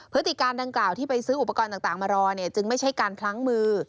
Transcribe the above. พฤติการดังกล่าวที่ไปซื้ออุปกรณ์ต่างมารอเนี่ยจึงไม่ใช่การพลั้งมือ